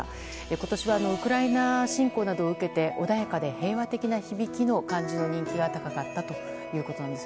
今年はウクライナ侵攻などを受けて穏やかで平和的な響きの漢字の人気が高かったということです。